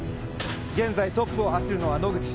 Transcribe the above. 現在トップを走るのは野口。